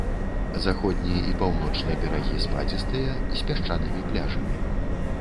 Заходні і паўночны берагі спадзістыя, з пясчанымі пляжамі.